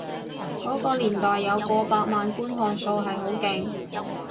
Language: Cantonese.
嗰個年代有過百萬觀看數係好勁